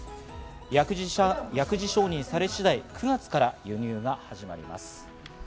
薬事承認され次第、９月から輸入が始まります。